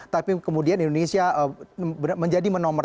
tapi kemudian indonesia menjadi menomor tiga puluh tujuh